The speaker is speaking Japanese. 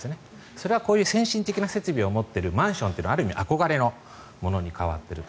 それがこういう先進的な設備を持っているマンションが憧れのものに変わっていると。